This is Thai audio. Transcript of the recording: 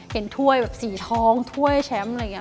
ถ้วยแบบสีทองถ้วยแชมป์อะไรอย่างนี้